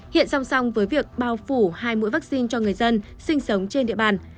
hiện song song với việc bao phủ hai mũi vaccine cho người dân sinh sống trên địa bàn